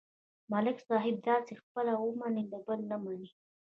ملک صاحب داسې دی: خپله ومني، د بل نه مني.